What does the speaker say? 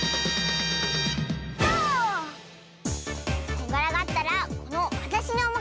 こんがらがったらこのわたしにおまかせ！